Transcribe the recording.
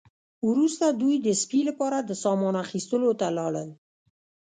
وروسته دوی د سپي لپاره د سامان اخیستلو ته لاړل